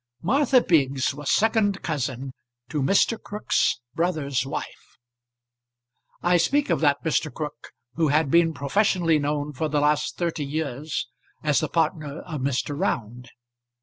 Martha Biggs was second cousin to Mr. Crook's brother's wife I speak of that Mr. Crook who had been professionally known for the last thirty years as the partner of Mr. Round.